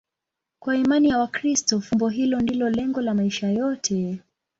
Kwa imani ya Wakristo, fumbo hilo ndilo lengo la maisha yote.